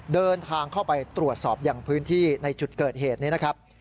เดินทางเข้าไปตรวจสอบอย่างพื้นที่ในจุดเกิดเหตุนี้นะครับ